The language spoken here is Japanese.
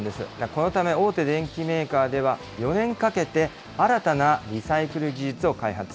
このため、大手電機メーカーでは、４年かけて新たなリサイクル技術を開発。